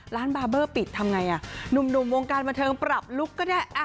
บาร์เบอร์ปิดทำไงหนุ่มวงการบันเทิงปรับลุคก็ได้